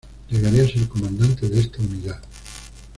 Llegaría a ser comandante de esta unidad.